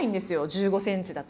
１５ｃｍだと。